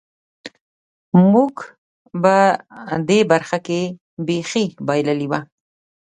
موږ په دې برخه کې بېخي بایللې وه.